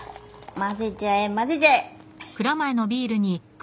混ぜちゃえ混ぜちゃえ。